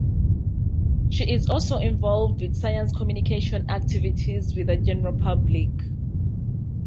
She is also involved with science communication activities with the general public.